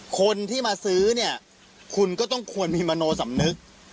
คนที่มาซื้อเนี่ยคุณก็ต้องควรมีมโนสำนึก